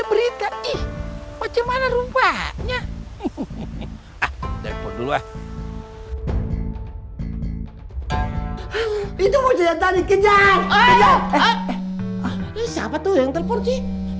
berita ih gimana rupanya dulu ah itu kejar kejar siapa tuh yang terbunyi